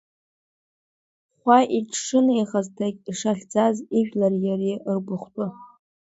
Хәа иҿшынеихаз, дагьшахьӡаз ижәлари иареи ргухутәы.